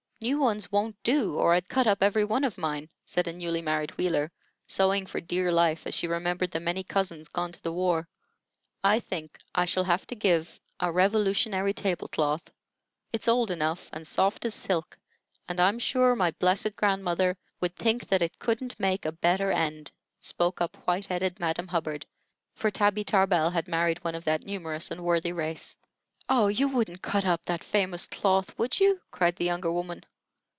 New ones wont do, or I'd cut up every one of mine," said a newly married Wheeler, sewing for dear life, as she remembered the many cousins gone to the war. "I think I shall have to give our Revolutionary table cloth. It's old enough, and soft as silk, and I'm sure my blessed grandmother would think that it couldn't make a better end," spoke up white headed Madam Hubbard; for Tabby Tarbell had married one of that numerous and worthy race. "Oh, you wouldn't cut up that famous cloth, would you?" cried the younger woman.